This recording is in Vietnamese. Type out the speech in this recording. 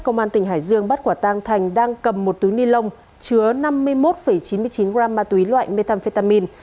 công an tỉnh hải dương bắt quả tang thành đang cầm một túi ni lông chứa năm mươi một chín mươi chín gram ma túy loại methamphetamin